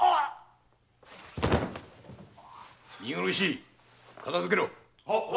見苦しい片づけろ。